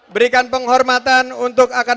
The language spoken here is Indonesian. berikan penghormatan untuk akan